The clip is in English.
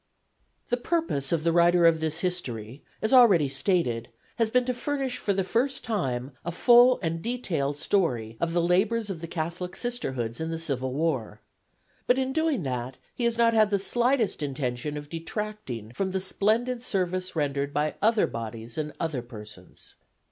The purpose of the writer of this history, as already stated, has been to furnish for the first time a full and detailed story of the labors of the Catholic Sisterhoods in the Civil War, but in doing that he has not had the slightest intention of detracting from the splendid service rendered by other bodies and other persons.